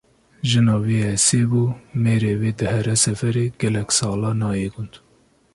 Jina wî Esê bû, mêrê wê dihere seferê gelek sala nayê gund